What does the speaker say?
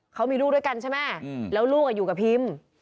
เขามีลูกด้วยกันใช่ไหมแล้วลูกอยู่กับพิม